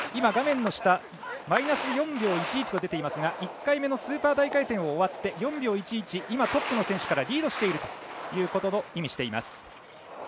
画面の下マイナス４秒１１と出ていますが１回目のスーパー大回転を終わって４秒１１今、トップの選手からリードしていることを意味しています。